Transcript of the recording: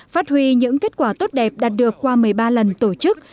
phát huy những kết quả tốt đẹp đạt được qua một mươi ba lần tổ chức